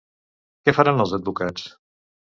Què faran els advocats?